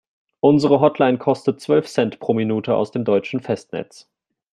Unsere Hotline kostet zwölf Cent pro Minute aus dem deutschen Festnetz.